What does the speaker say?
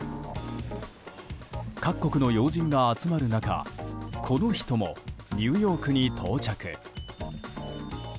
各国の要人が集まる中この人もニューヨークに到着。